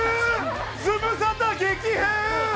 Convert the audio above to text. ズムサタ激変！